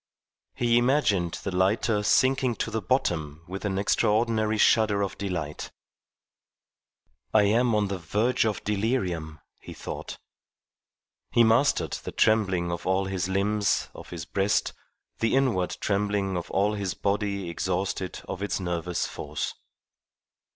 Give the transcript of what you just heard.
He imagined the lighter sinking to the bottom with an extraordinary shudder of delight. "I am on the verge of delirium," he thought. He mastered the trembling of all his limbs, of his breast, the inward trembling of all his body exhausted of its nervous force.